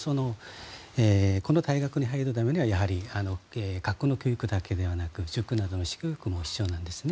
この大学に入るためにはやはり学校の教育だけではなく塾なども必要なんですね。